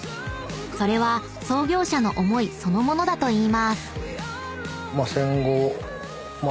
［それは創業者の思いそのものだといいます］